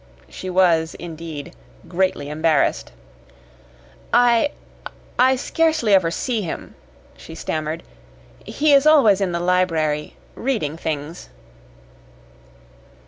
She was, indeed, greatly embarrassed. "I I scarcely ever see him," she stammered. "He is always in the library reading things."